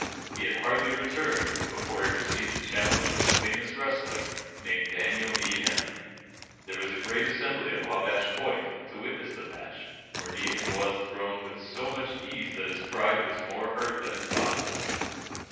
He had hardly returned, before he received a challenge from a famous wrestler, named Daniel Needham. There was a great assembly at Wabash Point, to witness the match, where Needham was thrown with so much ease that his pride was more hurt than his body.